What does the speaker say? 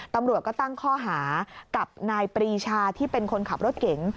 ตำรวจก็ตั้งข้อหากับนายปรีชาที่เป็นคนขับรถเก๋ง